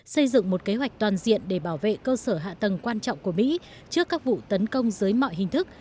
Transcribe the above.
xây dựng một kế hoạch toàn diện để bảo vệ cơ sở hạ tầng quan trọng của mỹ trước các vụ tấn công dưới mọi hình thức